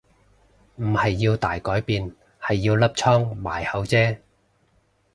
唔係要大改變係要粒瘡埋口啫